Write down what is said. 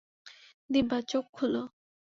দিব্যা, চোখ খুলো।